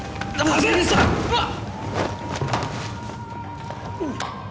うわっ！